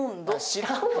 知らんわ！